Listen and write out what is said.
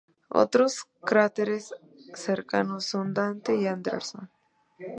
Otros cráteres cercanos son Dante y Anderson.